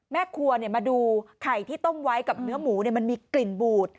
แม่ครัวมาดูไข่ที่ต้มไว้กับเนื้อหมูมันมีกลิ่นบูด